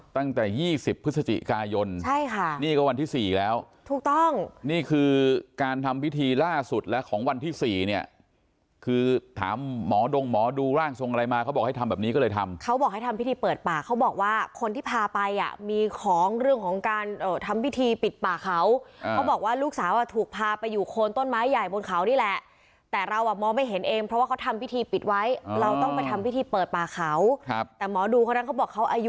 ตั้งแต่๒๐พฤศจิกายนใช่ค่ะนี่ก็วันที่๔แล้วถูกต้องนี่คือการทำพิธีล่าสุดและของวันที่๔เนี่ยคือถามหมอดงหมอดูร่างทรงอะไรมาเขาบอกให้ทำแบบนี้ก็เลยทำเขาบอกให้ทำพิธีเปิดป่าเขาบอกว่าคนที่พาไปอ่ะมีของเรื่องของการทำพิธีปิดป่าเขาเขาบอกว่าลูกสาวอ่ะถูกพาไปอยู่โคนต้นไม้ใหญ่บนเขานี่แหละแต่เราอ่ะม